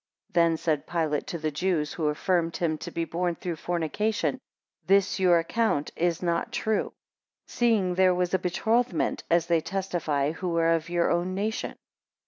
9 Then said Pilate to the Jews who affirmed him to be born through fornication, This your account is not true, seeing there was a betrothment, as they testify who are of your own nation.